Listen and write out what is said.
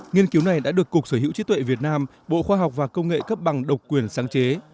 nghiên cứu này đã được cục sở hữu trí tuệ việt nam bộ khoa học và công nghệ cấp bằng độc quyền sáng chế